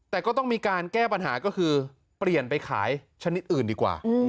แต่ก็ต้องมีการแก้ปัญหาก็คือเปลี่ยนไปขายชนิดอื่นดีกว่า